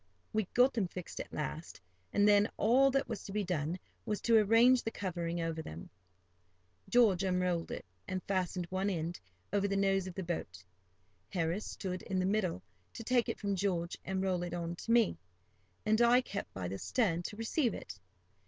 We got them fixed at last, and then all that was to be done was to arrange the covering over them. George unrolled it, and fastened one end over the nose of the boat. Harris stood in the middle to take it from George and roll it on to me, and I kept by the stern to receive it.